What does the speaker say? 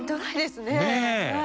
ねえ！